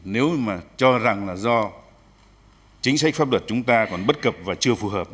nếu mà cho rằng là do chính sách pháp luật chúng ta còn bất cập và chưa phù hợp